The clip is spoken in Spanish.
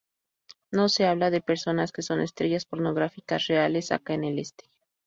No se habla de personas que son estrellas pornográficas reales acá en el este.